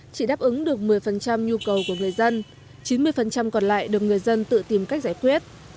chỉ đáp ứng được một mươi nhu cầu của người dân chín mươi còn lại được người dân tự tìm cách giải quyết